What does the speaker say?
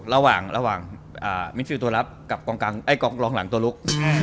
ระหว่างมิสิลตัวลับกับกองหลังตัวลุก